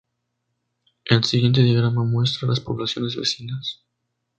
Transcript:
El siguiente diagrama muestra las poblaciones vecinas.